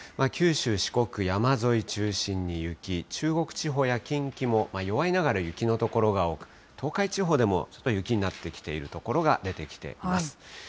九州、四国、山沿い中心に雪、中国地方や近畿も、弱いながら雪の所が多く、東海地方でもちょっと雪になってきている所が出てきています。